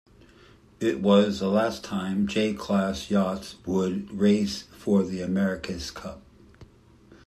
It was the last time J-class yachts would race for the America's Cup.